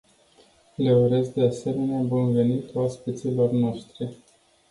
Le urez de asemenea bun venit oaspeților noștri.